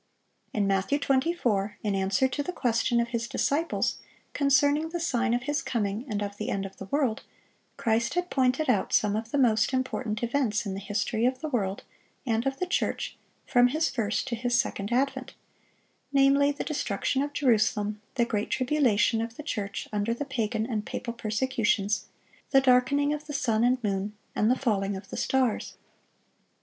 In Matthew 24, in answer to the question of His disciples concerning the sign of His coming and of the end of the world, Christ had pointed out some of the most important events in the history of the world and of the church from His first to His second advent; namely, the destruction of Jerusalem, the great tribulation of the church under the pagan and papal persecutions, the darkening of the sun and moon, and the falling of the stars.